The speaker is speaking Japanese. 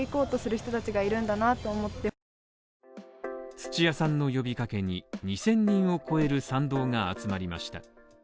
土屋さんの呼びかけに２０００人を超える賛同が集まりました。